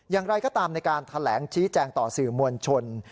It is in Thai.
อย่างไรก็ตามในการแถลงชี้แจงต่อสื่อมวลชน